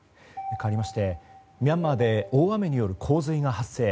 かわりましてミャンマーで大雨による洪水が発生。